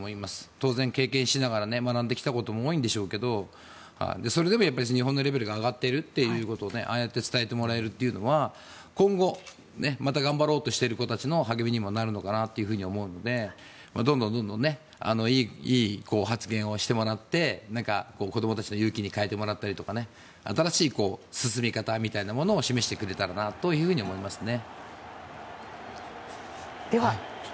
当然経験して学んできたことも多いでしょうけどそれでも日本のレベルが上がっていることをああやって伝えてもらえるというのは今後、また頑張ろうとしている子たちの励みにもなるのかなと思うのでどんどんいい発言をしてもらって子供たちの勇気に変えてもらったりとか新しい進み方みたいなものを示してくれたらなと思いますね。